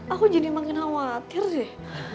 aku jadi makin khawatir sih